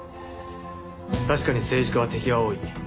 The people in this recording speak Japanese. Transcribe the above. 確かに政治家は敵が多い。